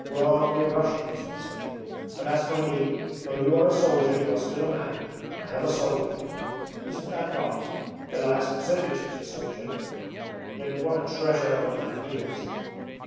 "Worldly Russians" they say. But as for me, though you are a soldier you are still a man, and have a soul in you. Isn't that right? Elias Mosevich was a soldier, yet what a treasure of a man he was!